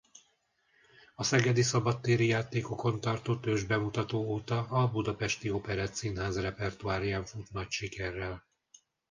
A Szegedi Szabadtéri Játékokon tartott ősbemutató óta a Budapesti Operettszínház repertoárján fut nagy sikerrel.